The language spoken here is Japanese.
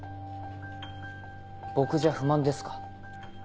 僕じゃ不満ですか？